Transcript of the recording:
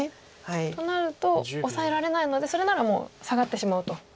となるとオサえられないのでそれならもうサガってしまおうと。